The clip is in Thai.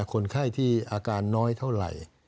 คนไข้ที่อาการน้อยเท่าไหร่